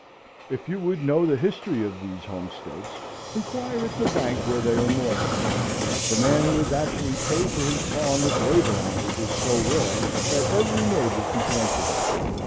If you would know the history of these homesteads, inquire at the bank where they are mortgaged. The man who has actually paid for his farm with labor on it is so rare that every neighbor can point to him.